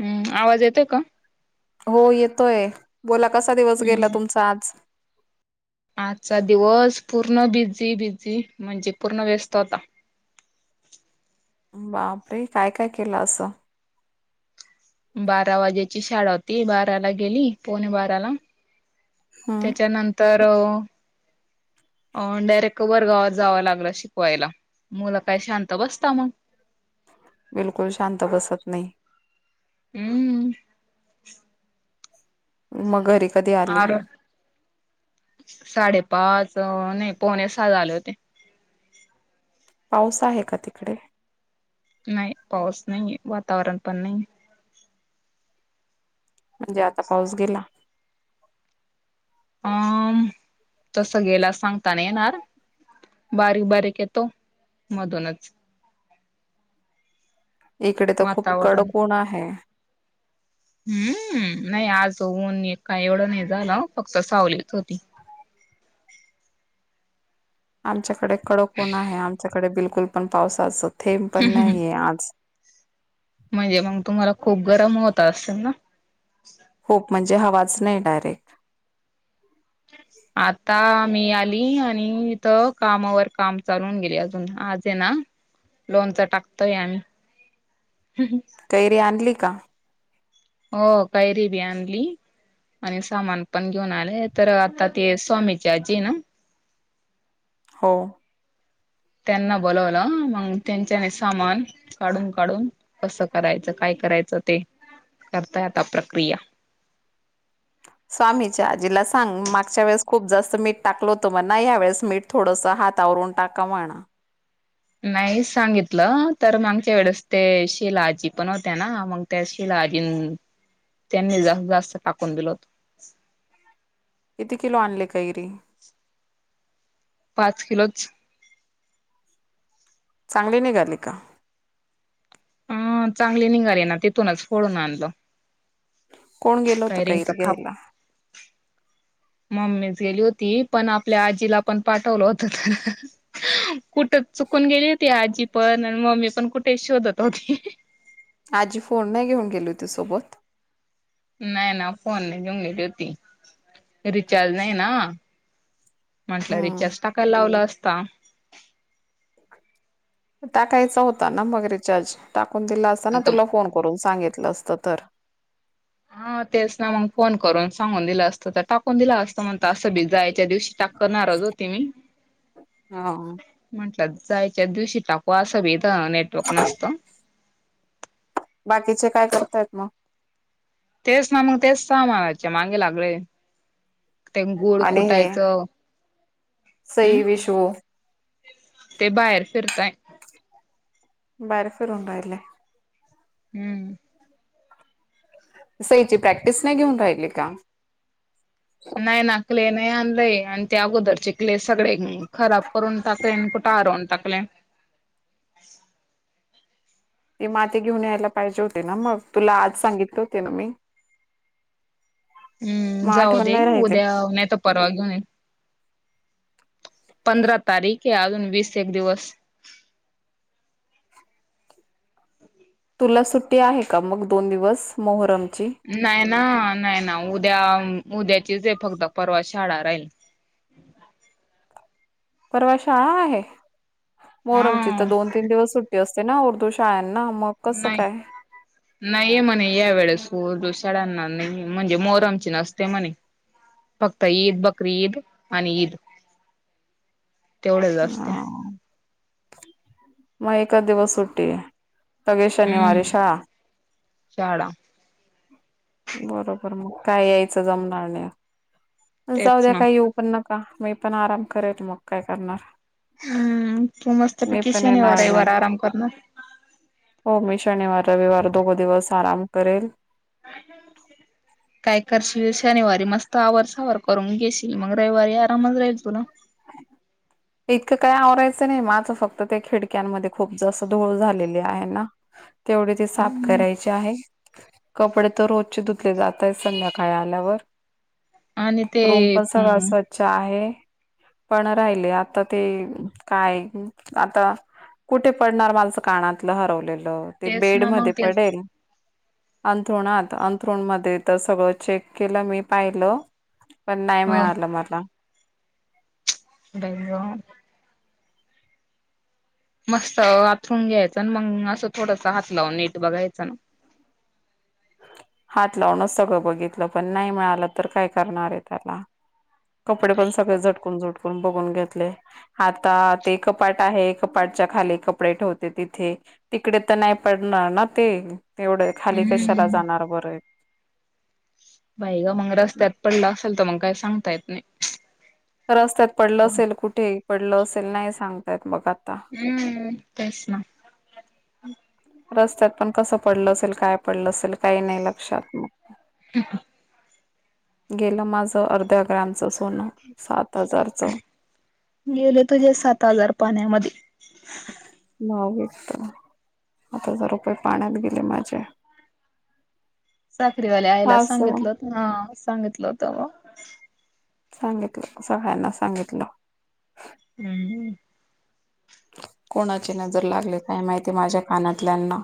हम्म आवाज येतोय का हो येतोय बोला कसा दिवस गेला हम्म. तुमचा आज आजचा दिवस पूर्ण बिझी बिझी म्हणजे पूर्ण व्यस्त होता बापरे काय काय केलं असं बारा वाजेची शाळा होती बाराला गेली पोणे बाराला हम्म त्याच्यानंतर अ... अं डायरेक्ट वर्गावर जावं लागला शिकवायला मुलं काय शांत बसता मग बिलकुल शांत बसत नाही हम्म.. मग घरी कधी आली आर साडे [unintelligible] पाच? नाही पोणे सहा झाले होते. पाऊस आहे का तिकडे? नाही पाऊस नाही वातावरण पण नाही म्हणजे आता पाऊस गेला? अ.. तस गेला‌ सांगताना नाही येणार बारीक- बारीक येतो मधूनच इकडे तर खूप वातावरण कडक ऊन आहे. हम्म... नाही आज ऊन ए -का एवढं नाही झालं फक्त सावलीच होती. [inaudible] आमच्याकडे कडक ऊन आहे आमच्याकडे बिलकुल पण पावसाच थेंब पण नाहीये आज. म्हणजे मग तुम्हाला खूप गरम होत असेल ना? खूप म्हणजे हवाच नाही डायरेक्ट आता मी आली आणि इथ कामावर काम चालून गेली अजून आजयेना लोणचं टाकतोय आम्ही कैरी आणली का? हो कैरी बी आणली. आणि सामान पण घेऊन आले तर आता ते स्वामीची आजी आहे ना हो त्यांना बोलवलं मग त्यांच्यानेच सामान काढून- काढून कसं करायचं काय करायचं ते [inaudible] करताय आता प्रक्रिया. [inaudible] स्वामीच्या आजीला सांग मागच्या वेळेस खूप जास्त मीठ टाकल होतो म -ना या वेळेस मीठ थोडस ह हात आवरून टाका म्हणा. नाही सांगितलं तर मागच्या वेळेस ते शिलाआजी पण होत्या ना मग त्या शिला शिलाआजीन त्यांनी जात -जास्त टाकून दिल होत. किती किलो आणले कैरी? पाच किलोच. चांगली निघाली का? हा चांगली निघाली ना तिथूनच फोडून आणलो. कोण गेल होत कैर घ्यायला? मम्मीच गेली होती पण आपल्या आजीला पण पाठवलं होत त. [inaudible] कुठ चुकून गेली होती आजी पण आणि मम्मी पण कुठे शोधत होती. [inaudible] आजी फोन नाही घेऊन गेली होती सोबत? नाही ना फोन नाही घेऊन गेली होती रिचार्ज नाही ना. म्हटलं हम्म रिचार्ज टाकायला लावला असता. टाकायचा होता ना मग रिचार्ज टाक मग दिला असताना तुला फोन करून सांगितलं असत तर. हा तेच ना मग फोन करून सांगून दिलं असतं तर टाकून दिला अस म्हणत असं बी जायाच्या दिवशीबी टाकरणारच होते मी हा म्हट जायच्या दिवशी टाकु असं भी इथं नेटवर्क नसत. बाकीचे काय करतायत मग? तेच ना मग तेच सामानाच्या मागे लागलोय. ते गुळ आणि हे कुटायचं हम् सई विषवू ते बाहेर फिरताय. बाहेर फिरून राहिले. हम्म. सईची प्रॅक्टिस नाही घेऊन राहिली का? नाही ना क्ले नाही आणलाय आणि त्या अगोदरचे क्ले सगळे खराब करून टाकले आणि कुठे हरवून टाकले. ते माती घेऊन यायला पाहिजे होते ना मग तुला आज सांगितले होते ना मी. मग हम्म जाऊ आठवण दे नाही राहिली. उद्या नाही तर परवा घेऊन ये पंधरा तारीख आहे अजून वीस एक दिवस [unintelligible] तुला सुट्टी आहे का मग दोन दिवस मोहरम नाही ना नाही ना उद्या उद्याचीच आहे फक्त परवा शाळा राहील. परवा शाळा आहे मोहरमची तर हा दोन तीन दिवस सुट्टी असते ना उर्दू शाळांना. मग कसं नाही काय नाहीये म्हणे या वेळेस. पोर दु शाळ्यांना नाही म्हणजे मोहरमची नसते म्हणे. फक्त ईद, बकरी ईद आणि ईद. [inaudible] तेवढेच असते. हा मग एकाद दिवस सुटी तगे हम्म शनिवारे शाळा. शाळा बरोबर मग काय यायचं जमणार नाही. जाऊ तेच द्या ना. काही येऊ पण नका. मी पण आराम करेल मग काय करणार. हम्म तू मस्त मी पैकी पण शनिवार येणार रविवार नाही आराम करणार. हो मी शनिवार रविवार दोघ दिवस आराम करेल. अ काय करशील शनिवारी मस्त आवर सावर करून घेशील मग रविवारी आरामच राहील तुला. [unintelligible] इतकं काही आवरायचं नाही माझं फक्त त्या खिडक्यांमध्ये खूप जास्त धूळ झालेली आहे ना. तेवढे ते साफ हम्म करायचे आहे. कपडे तर रोजचे धुतली जातय संध्याकाळी आल्यावर. आणि रूम ते पण सगळं स्वच्छ आहे. पण राहिले आ- आता ते काय आता कुठे पडणार मालचं कानातलं हरवलेलं. ते तेच बेड ना मग मध्ये तेच पडेल. अंथरुणात अंथ्रूणमध्ये तर सगळं चेक केलं मी पाहिलं. पण नाही हो. मिळालं मला. बललॉम मस्त अथरून घ्यायचं आणि मग असं थोडस हात लावून नेट बघायचं ना. ह हात लावणच सगळं बघितलं पण नाही मिळालं तर काय करणार आहे त्याला. कपडे पण बाई ग सगळे झटकून झटून. बघून घेतले आता ते कपाट आहे कपाटच्या खाली कपडे ठेवते तिथे- तिकडे तर नाही पडणार ना ते तेवढ खाली कशाला हम्म. जाणार बर. बाई ग मग रस्त्यात पडला असेल तर मग काय सांगता येत नाही. रस्त्यात पडलं कोण. असेल कुठे पडलं असेल नाही सांगतायत बघ. आता हम्म तेचं ना रस्त्यात पण कस पडलं असेल काय पडलं असेल काही नाही लक्षात मग. ह [inaudible] गेलं माझ अर्ध्या ग्रॅमच सोनं सात. हजारचं गेले तुझे सात हजार पाण्यामध्ये. भाऊबीज आठ हजार रुपये पाण्यात गेले माझे. साखरीवाल्या आयला असं सांगितलं होत हां सांगितलं होतं. सांगितलं सगळ्यांना सांगितलं. [inaudible] कोणाची नजर लागली काय माहिती माझ्या कानातल्यांना.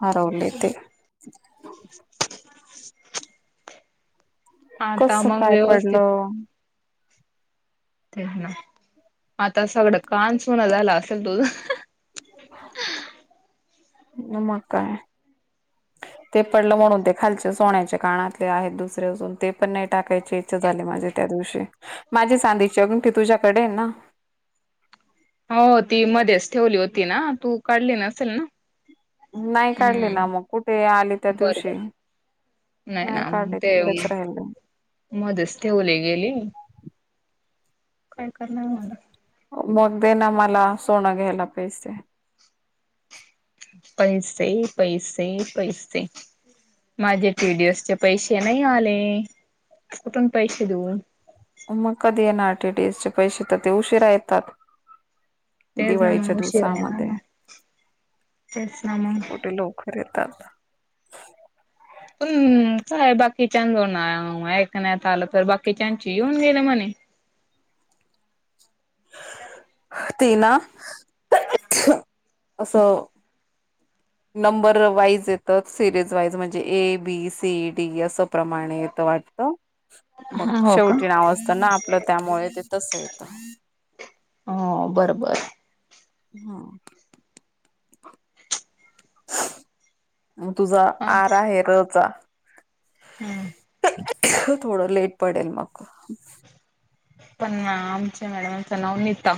हरवले ते [inaudible] आता कस मग काय व्यवस्थित पडलं? आता सगळा कान सुना झाला असेल तुझा. मग काय. ते पडलं म्हणून ते खालचे सोन्याचे कानातले आहेत दुसरे अजून ते पण नाही टाकायची इच्छा झाली माझे त्यात माझी चांदीची अंगठी तुझ्याकडे ना. हो ती मध्येच ठेवली होती ना तू काढली नसेल ना. नाही काढली ना हम्म मग कुठे आली त्या बरं दिवशी. बर. नाही ना मग काढले ते तिकडेच राहिले मध्येच ठेवली गेली. काय करणार मला. मग दे ना मला सोनं घ्यायला पैसे. पैसे पैसे पैसे माझे टीडीएस चे पैसे नाही आले कुठून पैसे देऊ. मग कधी येणार टीडीएस चे पैसे तर ते उशिरा येतात. तेच ना दिवाळीच्या मग उशीर आहे ना दिवसामध्ये ना तेच ना मग कुठे लोक देतात. पण काय बाकीच्या ऐकण्यात आलं तर बाकीच्यांची येऊन गेलं म्हणे [unintelligible] लाडकी ती ना असं नंबर वाईज येतात सिरीज वाईज म्हणजे ए बी सी डी असं प्रमाणे येत वाटतं मग हो का शेवटी नाव असत ना आपलं त्यामुळे ते तस येतं. हो बरोबर हा मग तुझा आर आहे र चा हम्म थोडं लेट पडेल मग पण आमच्या मॅडमचं नाव नीता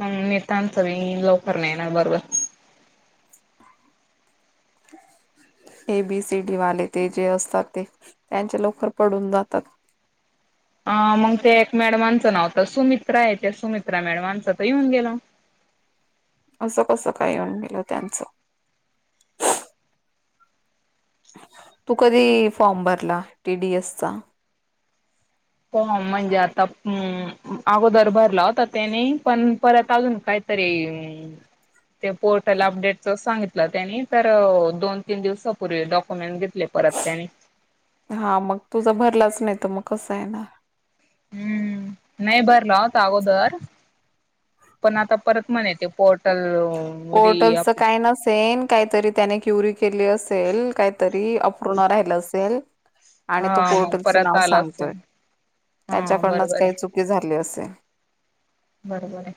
नि त्यांचं नाही लवकर नाही येणार बरोबर ह [unintelligible] ए बी सी डी वाले ते जे असतात ते त्यांच्या लवकर पडून जातात. अ मग त्या एक मॅडमांचं नाव तर सुमित्रा आहे त्या सुमित्रा मॅडमांचं तर येऊन गेलं. असं कसं काय येऊन गेलं त्यांचं तू कधी फॉर्म भरला टी डी एस चा हो म्हणजे आता हं अगोदर भरला होता त्याने, पण परत अजून काय? तरी ते पोर्टल अपडेटच सांगितलं त्यांनी तर दोन तीन दिवससापूर्वी डॉक्युमेंट घेतले. परत त्या आणि हा मग तुझा भरलाच नाही तर मग कसं येणार. हम्म नाही भरला होता अगोदर पण आता परत म्हणे येते पोर्टल री पोर्टलचचं काय नसेन काहीतरी त्याने क्युरी केली असेल काहीतरी अपूर्ण राहिलं असेल. आणि तो हा मग पोर्टलचं परत नाव आला असेल सांगतोय हा त्यांच्याकडूनच बरोबर काही आहे चुकी झाली असेल बरोबर आहे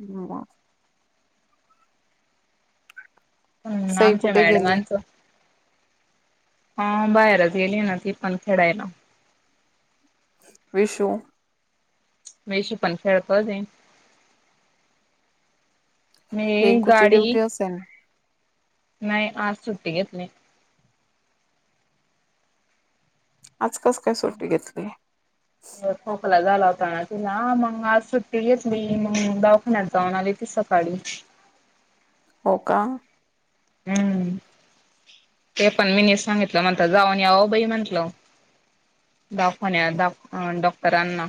हू हम्म सई आमच्या कुठे गेली? मॅडमांचं हा बार गेली ना ती पंथडा आहे विषवु मेश पण खळतो म रिंकूची गाडी ड्युटी असेल नाही आज सुट्टी घेतली आज कस काय सुट्टी घेतली? खोकला झाला होता तुला मग आज सुट्टी घेतली मग दावाखान्यात जाऊन आली ती सकाळी हो का हम्म ते पण मीनी सांगितलं म्हणत जाऊन याव बाई म्हंटल दाखवण्यात डॉक्टरांना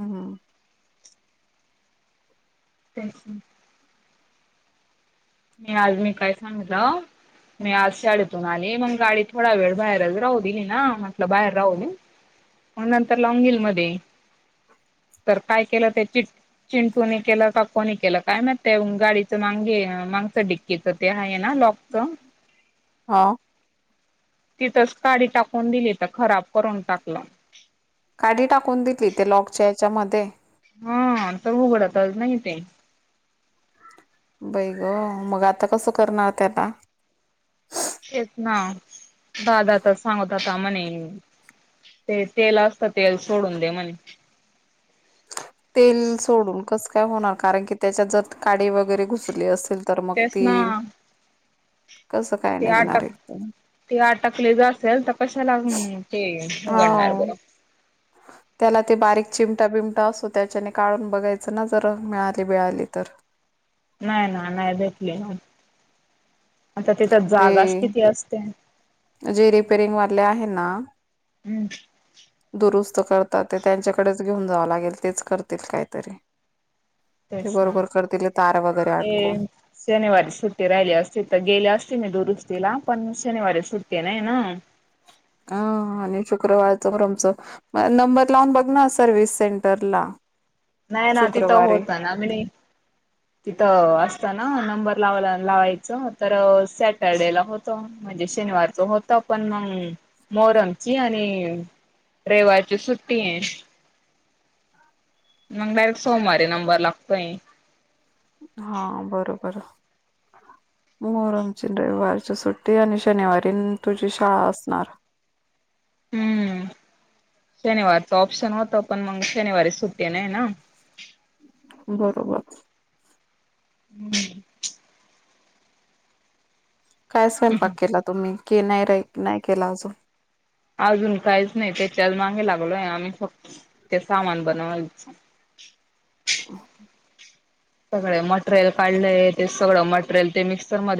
हम् [unintelligible] मी आज मी काय सांगितलं मी आज शाळेतून आली मग गाडी थोडा वेळ बाहेरच राहू दिली ना म्हटलं बाहेर राहू न मग नंतर लॉंगिल मध्ये तर काय केलं त्या च चिंटू केलं काकोे केलं काय मत गाडीच मांगे डकीच ते आहे ना लॉकच हा तिथंच काडी टाकून दिली तर खराब करून टाकलं काढ टाकून देतली ते लॉकच्याच्या मध्ये हा तर उघडत नाही ते बै ग मग आता कसं करणार त्याला तेच ना दादाता सांगत आता म्हणे ते तेल असत तेल सोडून दे म्हणे ह तेल सोडून कस काय होणार कारण की त्याच्या जर काडी वगैरे घुसले अस ल तर तेच मगती ना ते अटक ते अटकले ज असेल तर कस ला ते उघडणार हो बरं त्याला ते बारीक चिमटा बिमटा असो त्याच्याने काढून बघायचं ना जर मिळाली बिळाली तर नाही ना नाही भेतली ना आता तिथं ते जागाच किती असते जे रिपेरिंग वाले आहे ना हम्म दुरुस्त करतात ते त्यांच्याकडेच घेऊन जावं लागेल तेच करतील काहीतरी ते तेच ना बरोबर करतील तार वगैरे अटकून शनिवारी सुट्टी राहिली असते तर गेली असती नाही दूर ला पण शनिवारी सुट्टी नाही ना ह आणि शुक्रवार चंमच नंबर लावून बघ ना सर्विस सेंटर ला नाही ना तिथं होत नाम तिथं असत ना नंबर लावायला च सटरडे होत म्हणजे शवार होत पण म मोरमची आणि रेवाची सुट्टी आहे मग डायरेक्ट सोमवारी नंबर लागतोय ह मोरमची रविवारच्या सुट्टी आणि शनिवारी तुझी शाळा असणार शनिवारच ऑप्शन होत पण मग शनिवारी सुटी नाही ना बरोबर हम्म काय स्वयंपाक केला तुम्ही कि नाही रा नाही केला अजून अजून काहीच नाही त्याच्या आज मागे लागलोय आम्ही फक्त ते सामान बनवायच अ सगळे मटेरियल काढले ते सगळं मटेरियल ते मिक्सरमध्येध्ये